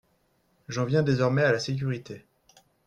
J’en viens désormais à la sécurité.